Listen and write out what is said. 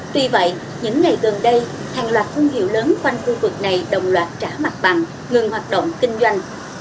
tuy vậy những ngày gần đây hàng loạt thương hiệu lớn quanh khu vực này đồng loạt trả mặt bằng ngừng hoạt động kinh doanh